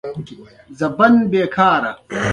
ګومان کوم چې واده په مخ کښې لري.